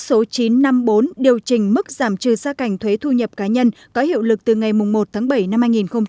số chín trăm năm mươi bốn điều chỉnh mức giảm trừ xa cảnh thuế thu nhập cá nhân có hiệu lực từ ngày một tháng bảy năm hai nghìn hai mươi